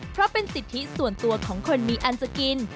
เพราะเป็นสิทธิส่วนตัวของคนมีอันจะกิน